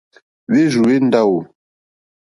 Hwérzù hwé ndáwò.